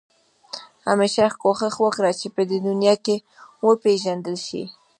همېشه کوښښ وکړه چې په دنیا کې وپېژندل شې.